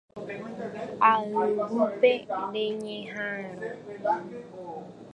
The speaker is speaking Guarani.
Ayvúpe reñeha'ãrõ